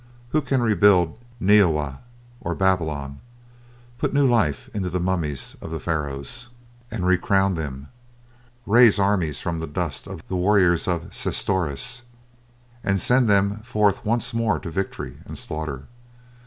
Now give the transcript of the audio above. Who can rebuild Ninevah or Babylon, put new life into the mummies of the Pharoahs, and recrown them; raise armies from the dust of the warriors of Sesostris, and send them forth once more to victory and slaughter?